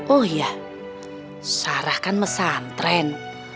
oh ya sarah kan mesantren